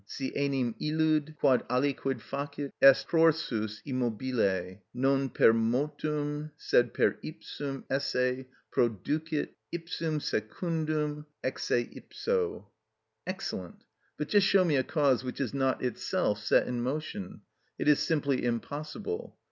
Si enim illud, quod aliquid facit, est prorsus immobile, non per motum, sed per ipsum Esse producit ipsum secundum ex se ipso._) Excellent! But just show me a cause which is not itself set in motion: it is simply impossible.